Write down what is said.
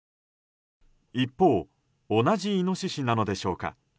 一方同じイノシシなのでしょうか。